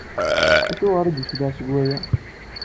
Acuɣer i d-yecleɛ seg waya?